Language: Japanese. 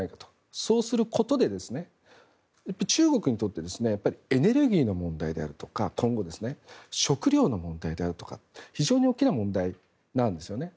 そうすることで、中国にとってエネルギーの問題であるとか今後、食料の問題であるとか非常に大きな問題なんですよね。